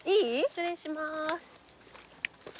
失礼します。